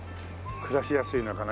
暮らしやすいのかな？